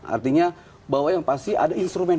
artinya bahwa yang pasti ada instrumen